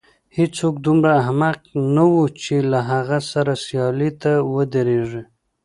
هېڅوک دومره احمق نه و چې له هغه سره سیالۍ ته ودرېږي.